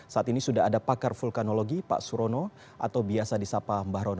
saat ini sudah ada pakar vulkanologi pak surono atau biasa disapa mbah rono